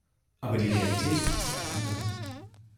Aber die Realität ist eine andere!